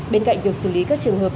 bên cạnh việc xử lý các trường hợp